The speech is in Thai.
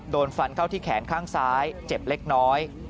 โดนฟันเข้าที่แขนข้างซ้ายเจ็บเล็กน้อย